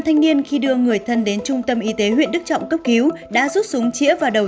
thanh niên khi đưa người thân đến trung tâm y tế huyện đức trọng cấp cứu đã rút súng chĩa vào đầu